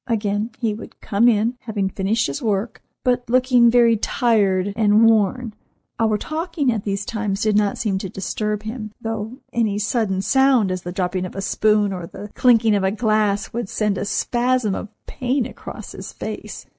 Again, he would come in, having finished his work, but looking very tired and worn. Our talking at these times did not seem to disturb him, though any sudden sound, as the dropping of a spoon, or the clinking of a glass, would send a spasm of pain across his face.